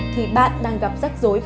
thì bạn đang gặp rắc rối